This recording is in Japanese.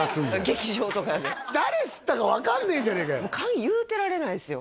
劇場とかで誰吸ったか分かんねえじゃねえか言うてられないですよ